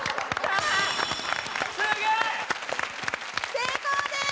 成功です！